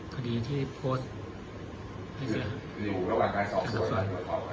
คดีที่โพสต์ในเชื้อทางกับส่วน